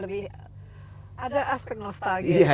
lebih ada aspek nostalgia